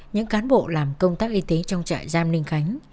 những cán bộ làm công tác y tế trong trại giam ninh khánh